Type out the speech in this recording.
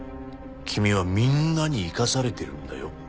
君はみんなに生かされてるんだよ。